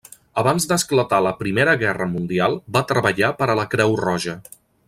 Abans d'esclatar la Primera Guerra Mundial, va treballar per a la Creu Roja.